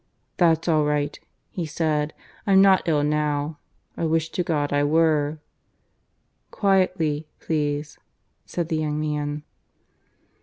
"That's all right," he said. "I'm not ill now. I wish to God I were!" "Quietly, please," said the young man.